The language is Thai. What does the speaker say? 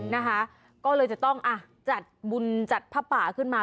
นะคะก็เลยจะต้องอ่ะจัดบุญจัดผ้าป่าขึ้นมา